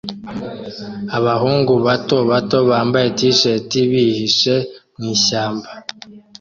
Abahungu bato bato bambaye t-shati bihishe mwishyamba